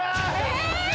えっ！